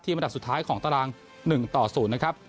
อันดับสุดท้ายของตาราง๑ต่อ๐นะครับ